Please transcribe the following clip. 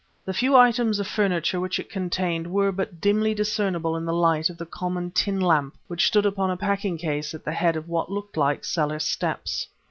The few items of furniture which it contained were but dimly discernible in the light of a common tin lamp which stood upon a packing case at the head of what looked like cellar steps.